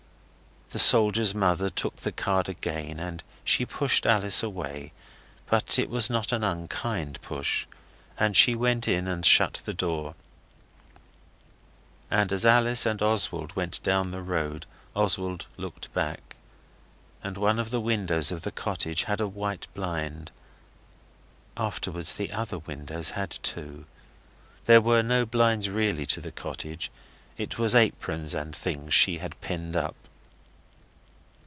The soldier's mother took the card again and she pushed Alice away, but it was not an unkind push, and she went in and shut the door; and as Alice and Oswald went down the road Oswald looked back, and one of the windows of the cottage had a white blind. Afterwards the other windows had too. There were no blinds really to the cottage. It was aprons and things she had pinned up.